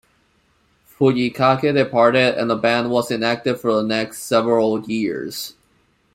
Fujikake departed, and the band was inactive for the next several years.